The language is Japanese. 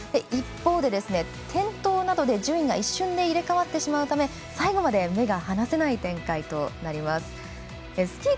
一方で転倒などで順位が一瞬で入れ代わってしまうため最後まで目が離せない展開となります。